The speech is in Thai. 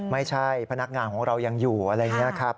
ไม่ใช่พนักงานของเรายังอยู่อะไรอย่างนี้ครับ